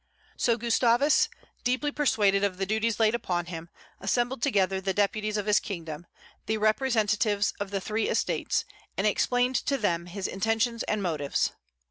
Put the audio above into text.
So Gustavus, deeply persuaded of the duties laid upon him, assembled together the deputies of his kingdom, the representatives of the three estates, and explained to them his intentions and motives.